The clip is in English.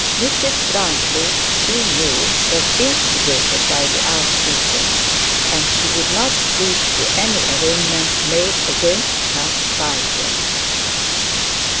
Mrs Grantly, she knew, was instigated by the archdeacon, and she would not plead to any arraignment made against her by him.